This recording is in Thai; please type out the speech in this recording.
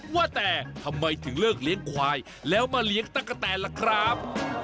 ว่าแต่ทำไมถึงเลิกเลี้ยงควายแล้วมาเลี้ยงตะกะแตนล่ะครับ